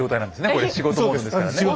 これ仕事モードですからね。